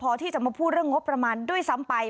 พอที่จะมาพูดเรื่องงบประมาณด้วยซ้ำไป